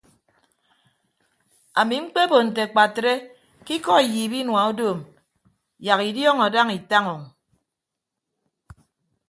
Ami mkpebo nte akpatre ke ikọ iyiip inua odoom yak idiọọñọ daña itaña o.